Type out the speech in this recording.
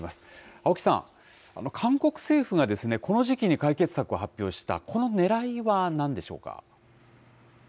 青木さん、韓国政府がこの時期に解決策を発表した、このねらいはなんでしょうか。